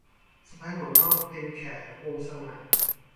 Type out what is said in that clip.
สะใภ้หัวนอก - เพ็ญแข วงศ์สง่า